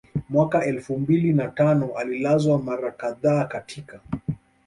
Mwaka wa elfu mbili na tano alilazwa mara kadhaa katika